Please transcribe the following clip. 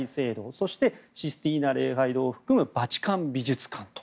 そしてシスティーナ礼拝堂を含むバチカン美術館と。